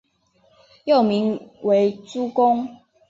幼名为珠宫。